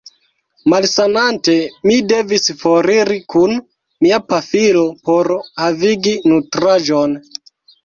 Malsanante, mi devis foriri kun mia pafilo por havigi nutraĵon.